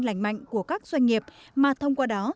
lành mạnh của các doanh nghiệp mà thông qua đó